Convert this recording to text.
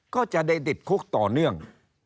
ก็จะได้ติดคุกต่อเนื่อง